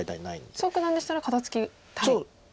蘇九段でしたら肩ツキたい。